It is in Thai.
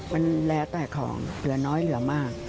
มันแล้วแต่ของเหลือน้อยเหลือมาก